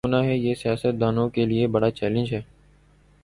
آگے کیا ہوناہے یہ سیاست دانوں کے لئے بڑا چیلنج ہے۔